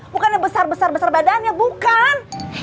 bukan yang besar besar badannya bukan